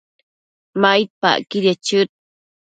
maidpacquidiec chëd